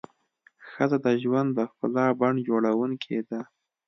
ښځه د ژوند د ښکلا بڼ جوړونکې ده.